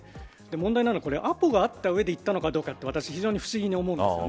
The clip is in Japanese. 問題なのはアポがあった上で行ったのかとか私は非常に不思議に思うんです。